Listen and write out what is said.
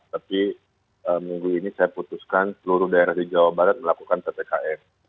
tapi minggu ini saya putuskan seluruh daerah di jawa barat melakukan ppkm